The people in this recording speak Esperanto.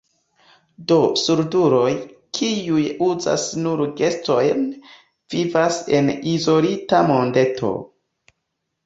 Do, surduloj, kiuj uzas nur gestojn, vivas en izolita mondeto.